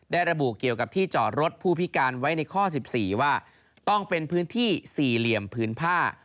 ระบุเกี่ยวกับที่จอดรถผู้พิการไว้ในข้อ๑๔ว่าต้องเป็นพื้นที่สี่เหลี่ยมพื้นผ้า